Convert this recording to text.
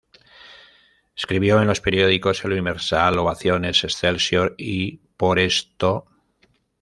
Escribió en los periódicos El Universal, Ovaciones, Excelsior y Por Esto.